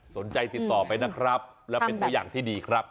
สนใจติดต่อไปนะครับและเป็นตัวอย่างที่ดีครับ